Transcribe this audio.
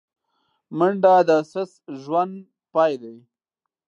منډه د سست ژوند پای دی